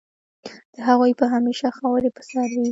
د هغوی به همېشه خاوري په سر وي